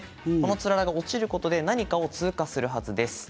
つららが落ちることで何かを通過するはずです。